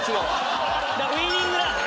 ウイニングラン。